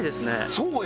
そうよ